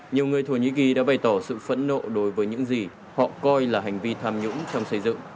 nhiều người thổ nhĩ kỳ đã bày tỏ sự phẫn nộ đối với những gì họ coi là hành vi tham nhũng trong xây dựng